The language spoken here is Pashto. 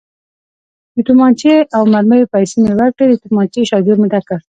د تومانچې او مرمیو پیسې مې ورکړې، د تومانچې شاجور مې ډک کړ.